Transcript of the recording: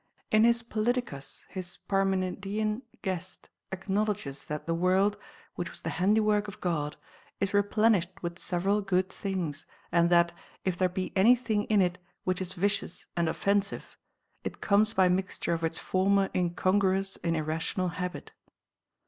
In his Politicus, his Parmenidean guest acknowledges that the world, which was the handiwork of God, is replenished with several good things, and that, if there be any thing in it which is vicious and offensive, it comes by mixture of its former incongruous and irrational habit.